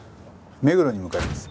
目黒に向かいます。